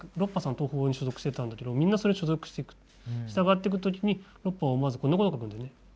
東宝に所属してたんだけどみんなそれに所属して従ってく時にロッパは思わずこんなこと書くんだよね。